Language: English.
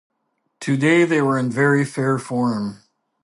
Today they were in very fair form.